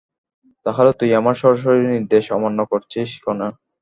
তাহলে তুই আমার সরাসরি নির্দেশ অমান্য করেছিস কেন?